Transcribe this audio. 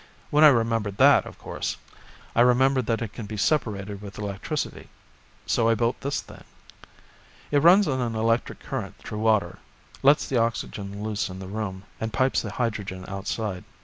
When I remembered that, of course, I remembered that it can be separated with electricity. So I built this thing. "It runs an electric current through water, lets the oxygen loose in the room, and pipes the hydrogen outside.